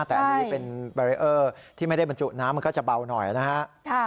แต่อันนี้เป็นแบรีเออร์ที่ไม่ได้บรรจุน้ำมันก็จะเบาหน่อยนะฮะ